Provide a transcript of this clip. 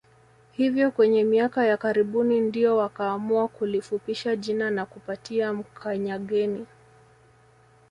Hivyo kwenye miaka ya karibuni ndio wakaamua kulifupisha jina na kupaita Mkanyageni